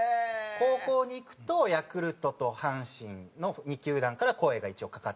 高校に行くとヤクルトと阪神の２球団から声が一応かかってて。